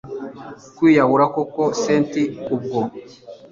ukwiyahura koko cynti ubwo